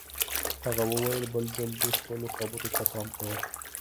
هغه وویل بل ځل دې خپلو خبرو ته پام کوه